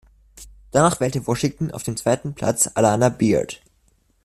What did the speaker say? Danach wählte Washington auf dem zweiten Platz Alana Beard.